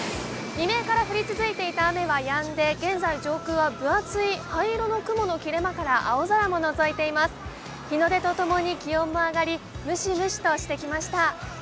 未明から降り続いていた雨はやんで現在上空は、分厚い灰色の雲の切れ間から青空ものぞいています、日の出とともに気温も上がりむしむしとしてきました。